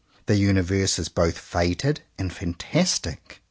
The universe is both fated and fantastic.